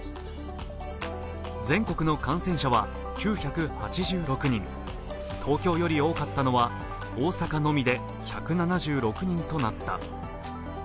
全国の感染者は９８６人、東京より多かったのは大阪のみで１７６人となった。